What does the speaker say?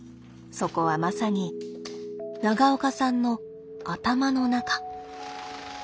そこはまさに長岡さんの頭の中。